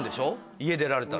家出られたら。